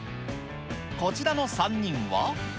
こちらの３人は。